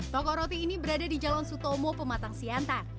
toko roti ini berada di jalan sutomo pematang siantar